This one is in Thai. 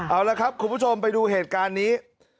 เอาละครับคุณผู้ชมไปดูเหตุการณ์นี้